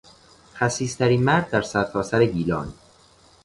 خسیسترین مرد در سرتاسر گیلان